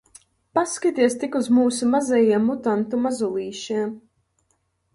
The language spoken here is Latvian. Paskaties tik uz mūsu maziem mutantu mazulīšiem!